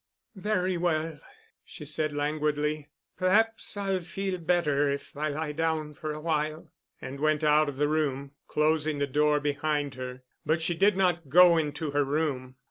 "Very well," she said languidly, "perhaps I'll feel better if I lie down for awhile—" and went out of the room, closing the door behind her. But she did not go into her room.